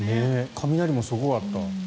雷もすごかった。